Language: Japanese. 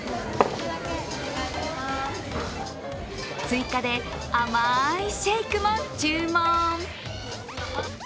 追加で甘いシェイクも注文。